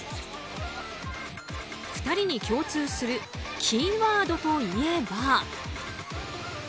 ２人に共通するキーワードといえば。